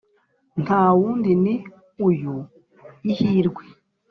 ntawundi ni uyu ihirwe.